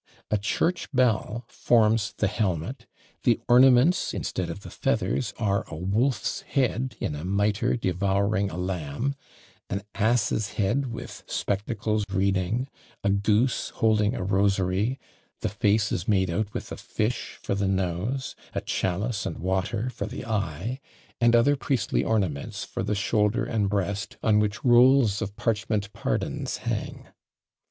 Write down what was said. A church bell forms the helmet; the ornaments, instead of the feathers, are a wolf's head in a mitre devouring a lamb, an ass's head with spectacles reading, a goose holding a rosary: the face is made out with a fish for the nose, a chalice and water for the eye, and other priestly ornaments for the shoulder and breast, on which rolls of parchment pardons hang.